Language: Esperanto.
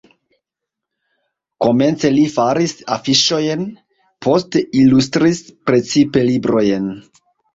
Komence li faris afiŝojn, poste ilustris precipe librojn.